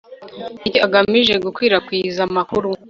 n iki agamije gukwirakwiza amakuru